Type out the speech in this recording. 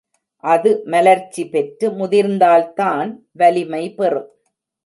அது மலர்ச்சி பெற்று முதிர்ந்தால் தான் வலிமை பெறும்.